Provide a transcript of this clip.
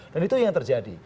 dan itu yang terjadi